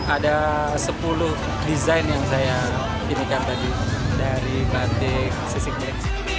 ada sepuluh desain yang saya inikan tadi dari batik sisik black